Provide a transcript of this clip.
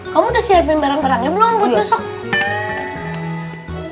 kamu udah siapin barang barangnya belum buat besok